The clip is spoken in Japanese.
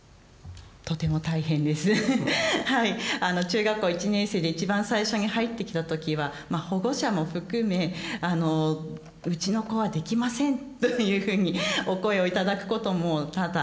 中学校１年生で一番最初に入ってきた時はまあ保護者も含めうちの子はできませんというふうにお声を頂くことも多々ございます。